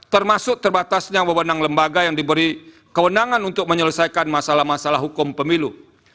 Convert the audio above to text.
termasuk terbatasnya beban lembaga yang diberi kewenangan untuk menyelesaikan masalah masalah hukum pemilu